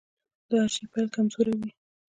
د هر شي پيل کمزوری وي .